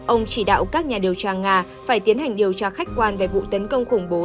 ông chỉ đạo các nhà điều tra nga phải tiến hành điều tra khách quan về vụ tấn công khủng bố